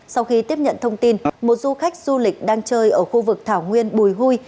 sau khi tiếp nhận thông tin một du khách du lịch đang chơi ở khu vực thảo nguyên bùi huy